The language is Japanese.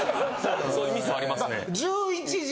そういうミスはありますね。